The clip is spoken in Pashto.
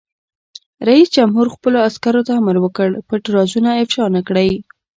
رئیس جمهور خپلو عسکرو ته امر وکړ؛ پټ رازونه افشا نه کړئ!